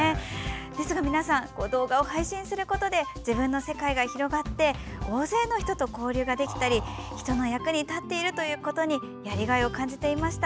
ですが、皆さん動画を配信することで自分の世界が広がって大勢の人と交流ができたり人の役に立っていることにやりがいを感じていました。